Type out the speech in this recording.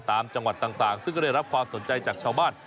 ตามจังหวัดต่างซึ่งก็ได้รับความสนใจจากชาวบ้าน